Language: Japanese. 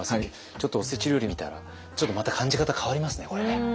ちょっとおせち料理見たらまた感じ方変わりますねこれね。